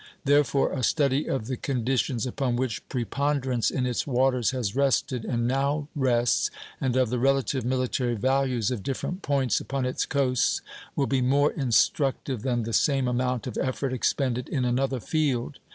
Therefore a study of the conditions upon which preponderance in its waters has rested, and now rests, and of the relative military values of different points upon its coasts, will be more instructive than the same amount of effort expended in another field.